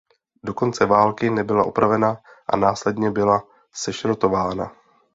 Do konce války nebyla opravena a následně byla sešrotována.